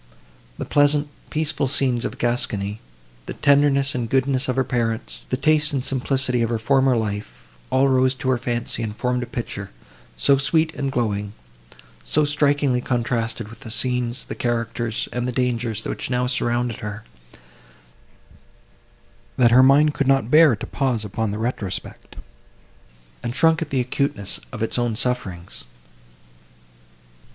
The pleasant, peaceful scenes of Gascony, the tenderness and goodness of her parents, the taste and simplicity of her former life—all rose to her fancy, and formed a picture, so sweet and glowing, so strikingly contrasted with the scenes, the characters and the dangers, which now surrounded her—that her mind could not bear to pause upon the retrospect, and shrunk at the acuteness of its own sufferings.